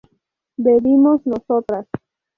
¿bebimos nosotras?